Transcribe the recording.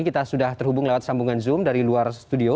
kita sudah terhubung lewat sambungan zoom dari luar studio